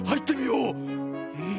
うん！